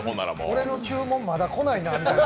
俺の注文、まだ来ないなみたいな。